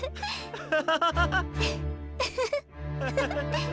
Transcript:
アハハハハ。